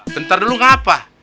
bentar dulu ngapa